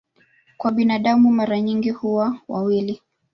Kwa binadamu mara nyingi huwa wawili.